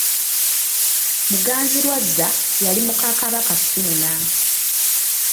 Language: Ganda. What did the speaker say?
Muganzirwazza yali muka Kabaka Ssuuna.